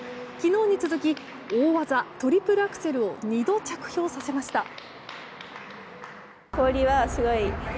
昨日に続き大技トリプルアクセルを２度着氷させました。